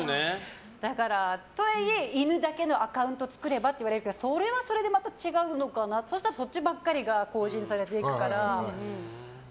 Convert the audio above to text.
とはいえ犬だけのアカウント作ればって言われるけどそれはそれでまた違うのかなってそしたら、そっちばっかりが更新されていくから。